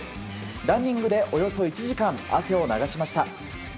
ランニングで、およそ１時間汗を流しました。